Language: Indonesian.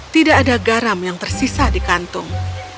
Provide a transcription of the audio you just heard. tidak ada garam yang tersisa di kantung